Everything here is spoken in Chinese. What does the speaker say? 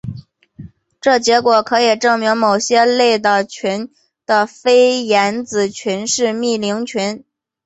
这结果可以证明某些类的群的菲廷子群是幂零群。